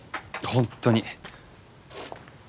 本当に。